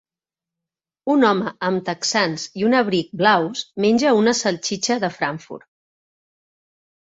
Un home amb texans i un abric blaus menja una salsitxa de Frankfurt.